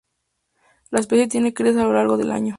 La especie tiene crías a lo largo del año.